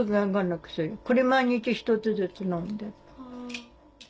これ毎日１つずつ飲んでる。